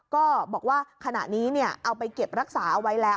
ก็บอกว่าขณะนี้เอาไปเก็บรักษาเอาไว้แล้ว